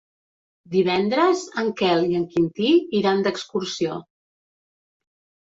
Divendres en Quel i en Quintí iran d'excursió.